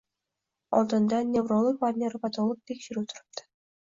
Oldinda nevrolog va nevropatolog tekshiruvi turibdi